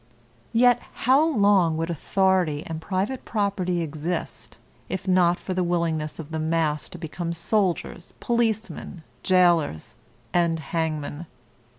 Yet how long would authority and private property exist, if not for the willingness of the mass to become soldiers, policemen, jailers, and hangmen.